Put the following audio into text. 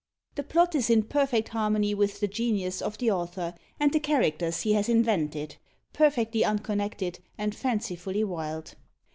The plot is in perfect harmony with the genius of the author, and the characters he has invented perfectly unconnected, and fancifully wild.